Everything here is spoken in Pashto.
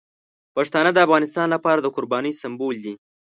پښتانه د افغانستان لپاره د قربانۍ سمبول دي.